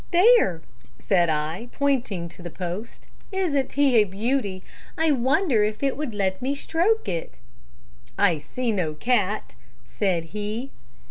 "'There,' said I, pointing to the post. 'Isn't he a beauty? I wonder if it would let me stroke it?' "'I see no cat,' said he.